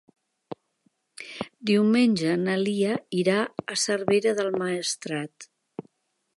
Diumenge na Lia irà a Cervera del Maestrat.